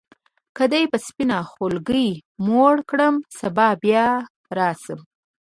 که دي په سپینه خولګۍ موړ کړم سبا بیا راشم.